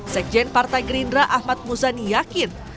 sekjen partai gerindra ahmad muzani yakin